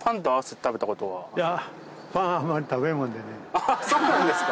あそうなんですか。